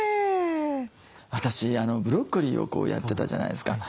私ブロッコリーをやってたじゃないですか。